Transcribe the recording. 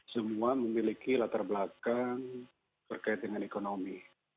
semua memiliki latar belakang terkait dengan ekonomi